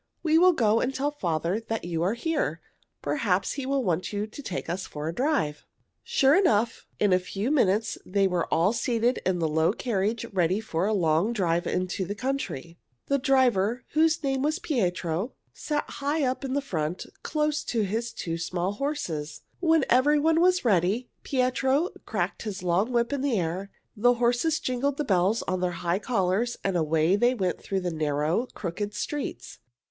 "We will go and tell father that you are here. Perhaps he will want you to take us for a drive." Sure enough, in a few minutes they were all seated in the low carriage ready for a long drive into the country. The driver, whose name was Pietro, sat high up in front, close behind his two small horses. When everyone was ready, Pietro cracked his long whip in the air, the horses jingled the bells on their high collars, and away they went through the narrow, crooked streets.